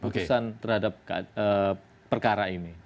khususan terhadap perkara ini